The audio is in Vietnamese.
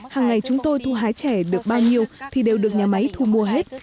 hàng ngày chúng tôi thu hái chè được bao nhiêu thì đều được nhà máy thu mua hết